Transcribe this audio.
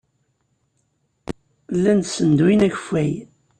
Llan ssenduyen akeffay.